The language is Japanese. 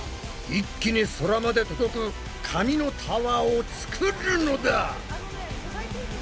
一気に空まで届く紙のタワーを作るのだ！